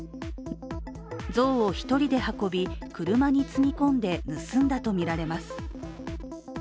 像を１人で運び、車に積み込んで盗んだとみられます。